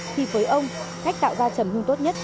thì với ông cách tạo ra trầm hương tốt nhất